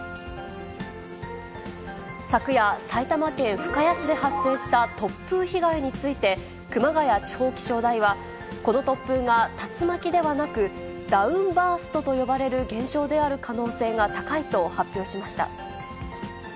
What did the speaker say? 昨夜、埼玉県深谷市で発生した突風被害について、熊谷地方気象台は、この突風が竜巻ではなく、ダウンバーストと呼ばれる現象である可能性が高いと発表しました。